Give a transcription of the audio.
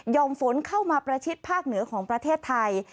่อมฝนเข้ามาประชิดภาคเหนือของประเทศไทย